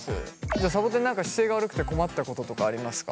じゃさぼてん何か姿勢が悪くて困ったこととかありますか？